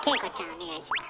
お願いします。